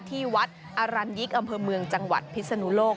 ที่วัดอรัญยิกอำเภอเมืองจังหวัดพิศนุโลก